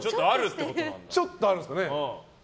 ちょっとあるんですかね。